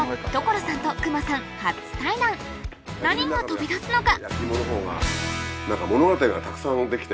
何が飛び出すのか